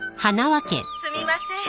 すみません。